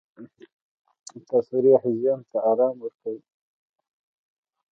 تفریح ذهن ته آرام ورکوي.